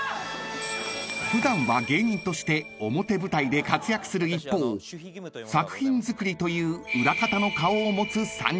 ［普段は芸人として表舞台で活躍する一方作品づくりという裏方の顔を持つ３人］